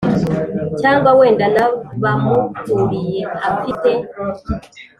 Cyangwa wenda n`abamukuriyeafite